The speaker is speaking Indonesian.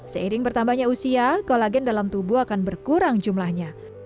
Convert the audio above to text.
seiring bertambahnya usia kolagen dalam tubuh akan berkurang jumlahnya